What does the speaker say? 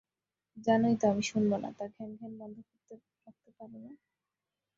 জানোই তো আমি শুনবো না, তা ঘ্যানঘ্যান বন্ধ রাখতে পারো না।